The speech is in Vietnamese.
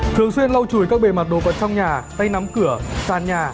thường xuyên lau chùi các bề mặt đồ vật trong nhà tay nắm cửa sàn nhà